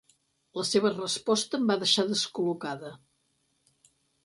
La seva resposta em va deixar descol·locada.